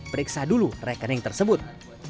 periksa dulu rekening tersebut